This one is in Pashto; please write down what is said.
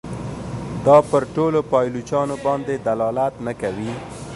دا پر ټولو پایلوچانو باندي دلالت نه کوي.